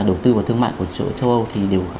đầu tư và thương mại của châu âu thì đều